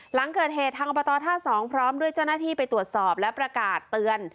หลังเกิดเหตุทางอบตท่า๒พร้อมด้วยเจ้าหน้าที่ไปตรวจสอบและประกาศเตือน